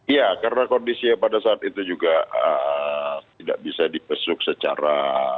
ya karena kondisinya pada saat itu juga tidak bisa dipesuk secara